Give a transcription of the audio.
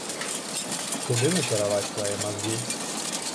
Куды накіраваць свае мазгі?